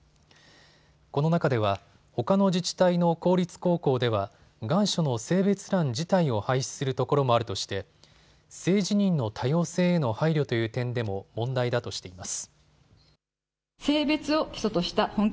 この中ではほかの自治体の公立高校では願書の性別欄自体を廃止するところもあるとして性自認の多様性の配慮という点でも問題だとしています。